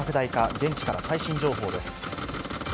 現地から最新情報です。